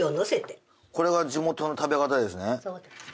これが地元の食べ方ですね。